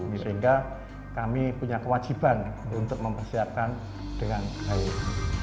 sehingga kami punya kewajiban untuk mempersiapkan dengan baik